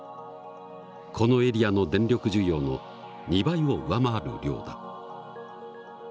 このエリアの電力需要の２倍を上回る量だ。